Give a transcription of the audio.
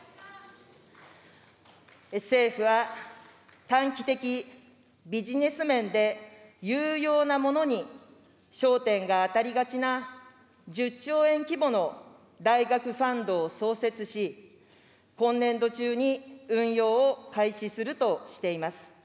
政府は短期的、ビジネス面で、有用なものに焦点が当たりがちな、１０兆円規模の大学ファンドを創設し、今年度中に運用を開始するとしています。